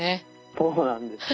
そうなんですよ。